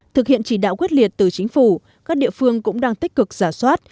thực hiện chỉ đạo quyết liệt từ chính phủ các địa phương cũng đang tích cực giả soát